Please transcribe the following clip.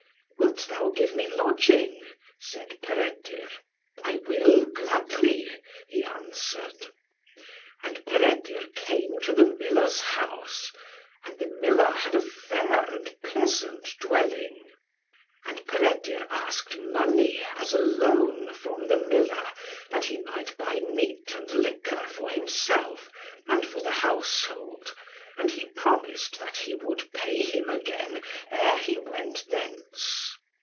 "Wilt thou give me lodging?" said Peredur. "I will, gladly," he answered. And Peredur came to the miller's house, and the miller had a fair and pleasant dwelling. And Peredur asked money as a loan from the miller, that he might buy meat and liquor for himself, and for the household, and he promised that he would pay him again ere he went thence.